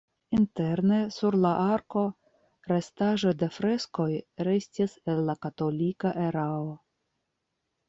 Interne sur la arko restaĵoj de freskoj restis el la katolika erao.